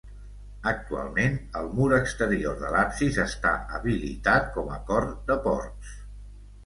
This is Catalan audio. Actualment el mur exterior de l'absis està habilitat com a cort de porcs.